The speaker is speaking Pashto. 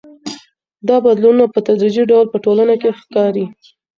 دا بدلونونه په تدريجي ډول په ټولنه کي ښکاري.